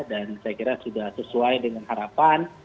dan saya kira sudah sesuai dengan harapan